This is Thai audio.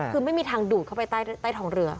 คือไม่มีทางดูดเข้าไปใต้ท้องเรือ